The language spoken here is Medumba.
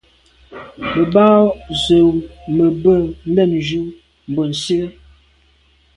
Me ba we ze be me lem ju mbwe Nsi à.